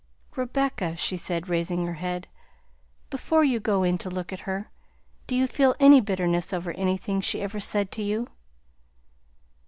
"Rebecca," she said, raising her head, "before you go in to look at her, do you feel any bitterness over anything she ever said to you?"